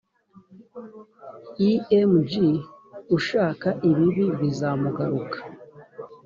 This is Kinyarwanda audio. img ushaka ibibi bizamugaruka